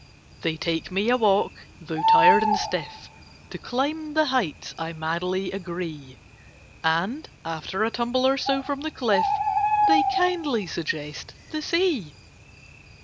They take me a walk: though tired and stiff, To climb the heights I madly agree; And, after a tumble or so from the cliff, They kindly suggest the Sea.